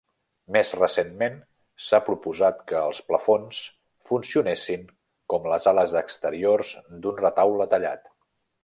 Més recentment s'ha proposat que els plafons funcionessin com les ales exteriors d'un retaule tallat.